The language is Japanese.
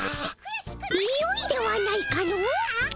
よいではないかの？